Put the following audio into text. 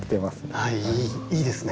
はいいいですね。